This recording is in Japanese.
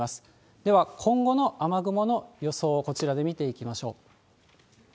では今後の雨雲の予想をこちらで見ていきましょう。